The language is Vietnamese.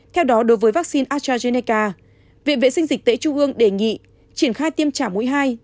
theo đó đối với vaccine astrazeneca viện vệ sinh dịch tễ trung ương đề nghị triển khai tiêm trả mũi hai